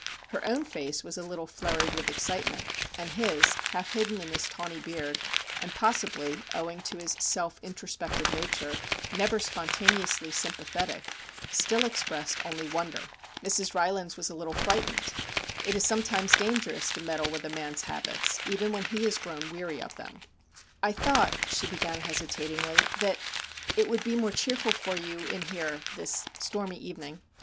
Her own face was a little flurried with excitement, and his, half hidden in his tawny beard, and possibly, owing to his self introspective nature, never spontaneously sympathetic, still expressed only wonder! Mrs. Rylands was a little frightened. It is sometimes dangerous to meddle with a man's habits, even when he has grown weary of them. 4 1 thought,' she began hesitatingly, 'that it would be more cheerful for you, in here, this stormy evening.